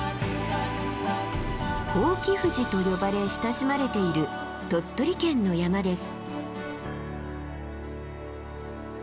伯耆富士と呼ばれ親しまれている鳥取県の山です。